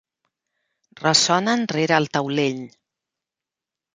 Ressonen rere el taulell.